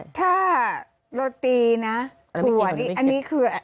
พี่ถ้าโรตีนะอันนี้คือ